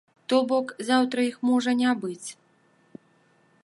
То бок заўтра іх можа не быць.